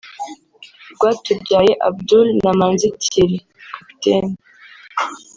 Rwatubyaye Abdul na Manzi Thierry (kapiteni)